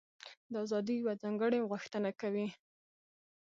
دا ازادي یوه ځانګړې غوښتنه کوي.